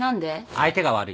相手が悪い。